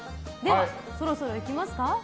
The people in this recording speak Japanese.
そろそろいきますか。